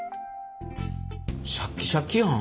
シャキシャキやん。